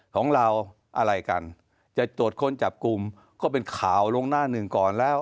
ของเราอะไรกันจะตรวจค้นจับกลุ่มก็เป็นข่าวลงหน้าหนึ่งก่อนแล้ว